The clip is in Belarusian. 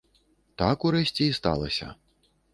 Так урэшце і сталася.